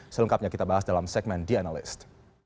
selengkapnya kita bahas dalam segmen the analyst